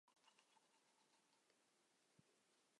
去年的宝马萨伯车队也更名为萨伯车队参与今年的赛事。